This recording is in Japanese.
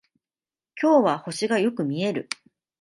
今日は星がよく見える